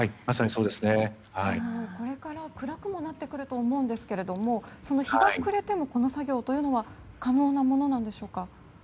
これから暗くもなってくると思うんですが日が暮れてもこの作業は可能なものなんでしょうか？